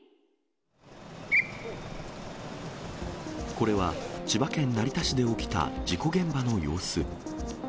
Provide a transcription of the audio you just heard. これは千葉県成田市で起きた事故現場の様子。